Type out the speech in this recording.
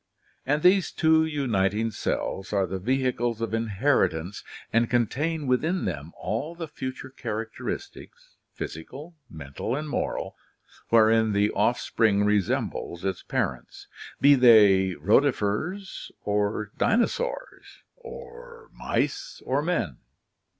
And these two uniting cells are the vehicles of inheritance and contain within them all the future characteristics, physical, mental, and moral, wherein the offspring resembles its parents, be they rotifers, or dinosaurs, or mice, or men!